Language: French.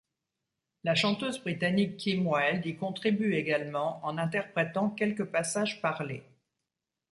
La chanteuse britannique Kim Wilde y contribue également en interprétant quelques passages parlés.